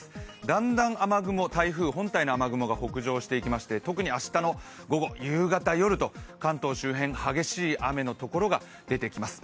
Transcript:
だんだん雨雲、台風本体の雨雲が北上してきまして特に明日の午後、夕方、夜と関東周辺、激しい雨のところが出てきます。